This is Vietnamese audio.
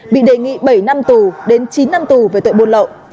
bị đề nghị bảy năm tù đến chín năm tù về tội buôn lậu